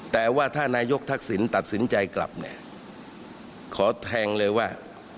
แต่ว่าถ้านายกทักษิณตัดสินใจกลับเนี่ยขอแทงเลยว่า